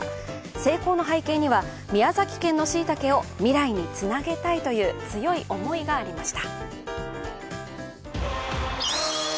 成功の背景には、宮崎県のしいたけを未来につなげたいという強い思いがありました。